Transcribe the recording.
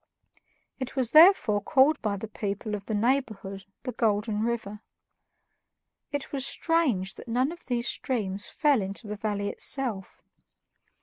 It was therefore called by the people of the neighborhood the Golden River. It was strange that none of these streams fell into the valley itself.